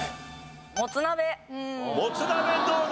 もつ鍋どうだ？